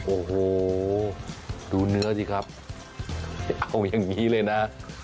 โอ้โหดูเนื้อสิครับจะเอาอย่างนี้เลยนะ